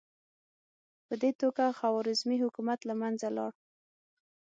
په دې توګه خوارزمي حکومت له منځه لاړ.